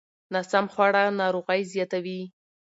ناسم خواړه ناروغۍ زیاتوي.